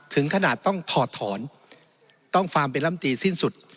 ถึงขนาดต้องถอดถอนต้องฟาร์มเป็นลำตีสิ้นสุด